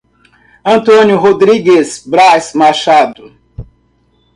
Antônio Rodrigues Braz Machado